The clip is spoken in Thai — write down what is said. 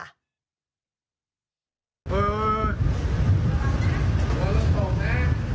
เฮ้ย